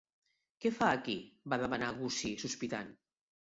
"Què fa aquí?" va demanar Gussie sospitant.